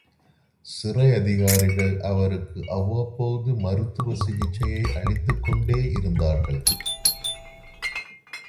சிறை அதிகாரிகள் அவருக்கு அவ்வப்போது மருத்துவ சிகிச்சையை அளித்துக் கொண்டே இருந்தார்கள்.